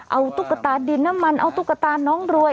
เอาตุ๊กตาดินน้ำมันเอาตุ๊กตาน้องรวย